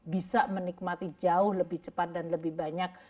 bisa menikmati jauh lebih cepat dan lebih banyak